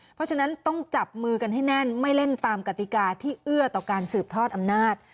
เพราะฉะนั้นต้องจับมือกันให้แน่นไม่เล่นตามกติกาที่เอื้อต่อการสืบทอดอำนาจ